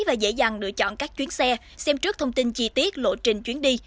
và dễ dàng lựa chọn các chuyến xe xem trước thông tin chi tiết lộ trình chuyến đi